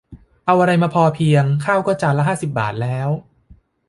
เอาอะไรมาพอเพียง ข้าวก็จานละห้าสิบบาทแล้ว